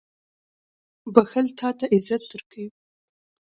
• بښل تا ته عزت درکوي.